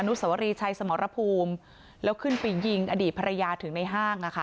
สวรีชัยสมรภูมิแล้วขึ้นไปยิงอดีตภรรยาถึงในห้าง